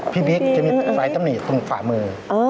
พี่บิ๊กจะมีสายตำนีตตรงฝ่ามือ